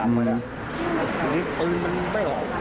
มีปืนมันไม่ออก